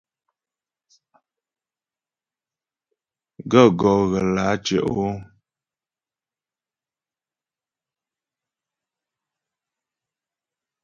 Gaə̂ gɔ́ ghə lǎ tyə́'ɔ ?